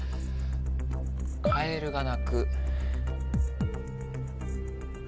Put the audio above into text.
カエルが鳴く。